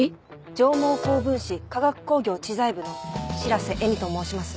上毛高分子化学工業知財部の白瀬笑実と申します。